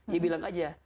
ya bilang aja